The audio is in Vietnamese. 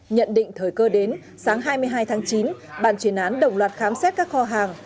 nhận định thời cơ đến sáng hai mươi hai tháng chín bàn chuyển án đồng loạt khám xét các kho hàng